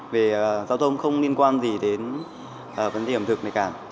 về giao thông không liên quan gì đến vấn đề ẩm thực này cả